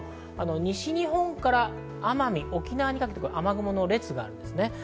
西日本から奄美、沖縄にかけて雨雲の列があります。